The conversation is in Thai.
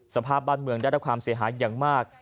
สภาพบ้านเมืองได้รับความเสียหายอย่างมาก